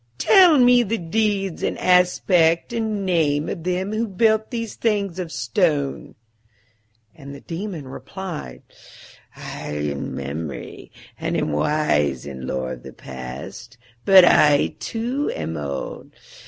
Tell me the deeds and aspect and name of them who built these things of stone." And the Daemon replied, "I am Memory, and am wise in lore of the past, but I too am old.